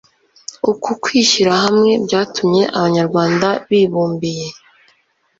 Uku kwishyira hamwe byatumye Abanyarwanda bibumbiye